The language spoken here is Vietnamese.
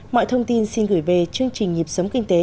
mọi thông tin xin gửi về chương trình nhịp sống kinh tế